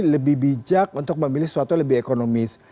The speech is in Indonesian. lebih bijak untuk memilih sesuatu yang lebih ekonomis